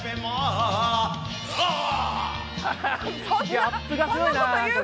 ギャップがすごいな。